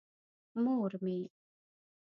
مور مې.